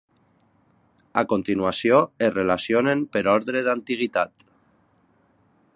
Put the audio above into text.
A continuació es relacionen per ordre d'antiguitat.